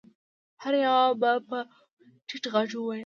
هر يوه به په ټيټ غږ ويل.